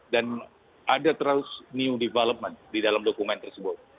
dan ada terus new development di dalam dokumen tersebut